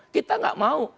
kita gak mau